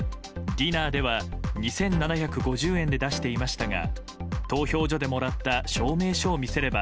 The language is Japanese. ディナーでは２７５０円で出していましたが投票所でもらった証明書を見せれば